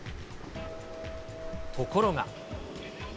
ところが。